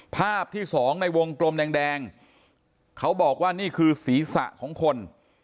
ภาพที่สองในวงกลมแดงเขาบอกว่านี่คือศีรษะของคน